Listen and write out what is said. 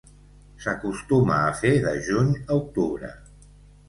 S'acostuma a fer de juny a octubre.